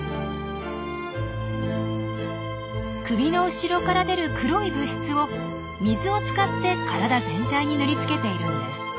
首の後ろから出る黒い物質を水を使って体全体に塗り付けているんです。